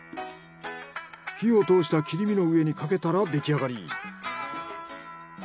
火を通した切り身の上にかけたら出来上がり。